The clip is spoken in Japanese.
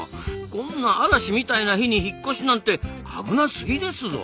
こんな嵐みたいな日に引っ越しなんて危なすぎですぞ！